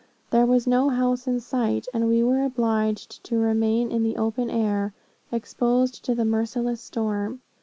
There was no house in sight, and we were obliged to remain in the open air, exposed to the merciless storm.